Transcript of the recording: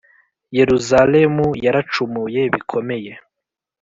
Yeruzalemu yaracumuye bikomeye,